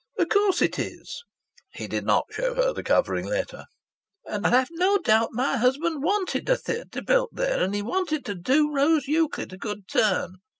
"Of course it is." He did not show her the covering letter. "And I've no doubt my husband wanted a theatre built there, and he wanted to do Rose Euclid a good turn.